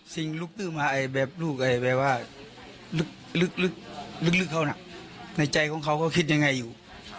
ลุกตื้อมาแบบลูกแบบว่าลึกเขาน่ะในใจของเขาก็คิดยังไงอยู่